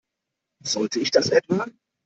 Sollte ich das etwa?